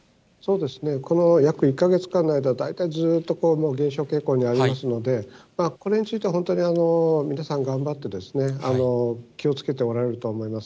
この約１か月間の間、大体ずーっともう、減少傾向にありますので、これについては本当に皆さん、頑張って、気をつけておられるとは思います。